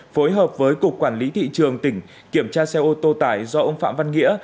phối hợp với cục quản lý thị trường tỉnh kiểm tra xe ô tô tải do ông phạm văn nghĩa